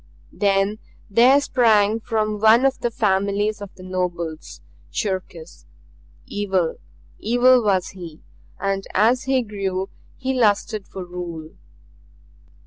"Then there sprang from one of the families of the nobles Cherkis. Evil, evil was he, and as he grew he lusted for rule.